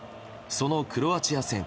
そのクロアチア戦。